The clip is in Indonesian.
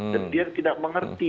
dan dia tidak mengerti